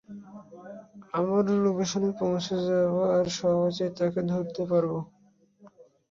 আমারও লোকেশনে পৌঁছে যাবো, আর সহজেই তাদেরকে ধরতে পারবো।